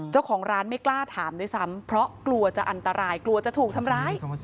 เจ้าของร้านไม่กล้าถามด้วยซ้ำเพราะกลัวจะอันตรายกลัวจะถูกทำร้าย